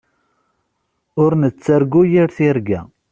Ur nettargu yir tirga.